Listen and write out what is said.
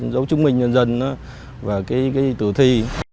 giấu chứng minh nhân dân và cái tử thi